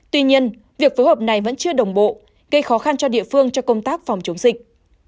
tuy nhiên việc phối hợp này vẫn chưa đồng bộ gây khó khăn cho địa phương cho công tác phòng chống dịch